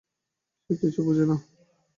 সে কিছুই বুঝে না।